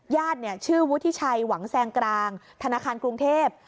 ญาติเนี่ยชื่อวุฒิชัยหวังแซงกรางธนาคารกรุงเทพฯ